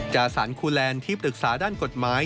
จาสันคูแลนด์ที่ปรึกษาด้านกฎหมาย